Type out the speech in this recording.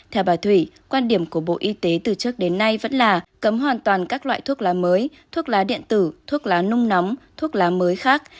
theo bà thủy quan điểm của bộ y tế từ trước đến nay vẫn là cấm hoàn toàn các loại thuốc lá mới thuốc lá điện tử thuốc lá nung nóng thuốc lá mới khác